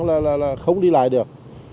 và không đi lại được